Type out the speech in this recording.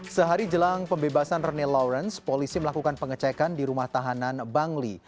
sehari jelang pembebasan rene lawrence polisi melakukan pengecekan di rumah tahanan bangli